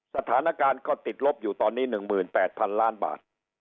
สถานการณ์ก็ติดลบอยู่ตอนนี้๑๘๐๐๐ล้านบาท